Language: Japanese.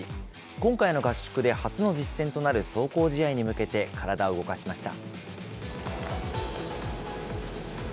今回の合宿で初の実戦となる壮行試合に向けて、体を動かしました。